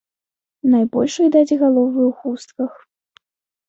Найбольш відаць галовы ў хустках.